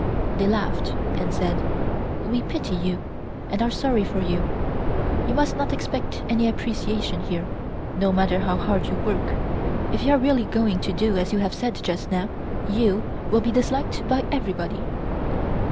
They laughed and said: "We pity you, and are sorry for you. You must not expect any appreciation here, no matter how hard you work. If you are really going to do as you have said just now, you will be disliked by everybody."